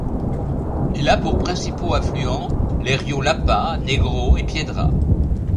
Il a pour principaux affluents, les ríos Lapa, Negro et Piedra.